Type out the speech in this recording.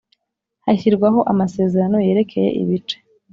hashyirwaho amasezerano yerekeye ibice